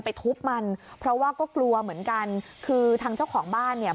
ไปทุบมันเพราะว่าก็กลัวเหมือนกันคือทางเจ้าของบ้านเนี่ย